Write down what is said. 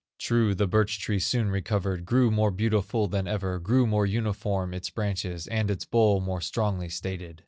True, the birch tree soon recovered, Grew more beautiful than ever, Grew more uniform its branches, And its bole more strong and stately.